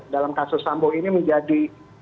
dalam kasus sambo ini menjadi